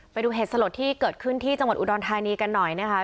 ไปดูเหตุสลดที่เกิดขึ้นที่จังหวัดอุดรธานีกันหน่อยนะคะ